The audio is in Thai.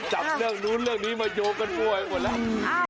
จับเรื่องนู้นเรื่องนี้มาโยงกันมั่วไปหมดแล้ว